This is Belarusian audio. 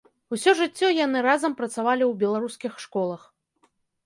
Усё жыццё яны разам працавалі ў беларускіх школах.